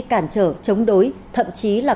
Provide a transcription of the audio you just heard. cản trở chống đối thậm chí là